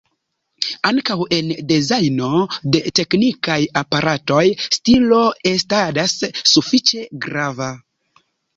Ankaŭ en dezajno de teknikaj aparatoj stilo estadas sufiĉe grava.